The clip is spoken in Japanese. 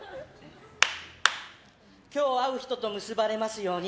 今日、会う人と結ばれますように。